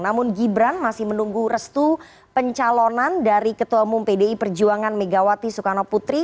namun gibran masih menunggu restu pencalonan dari ketua umum pdi perjuangan megawati soekarno putri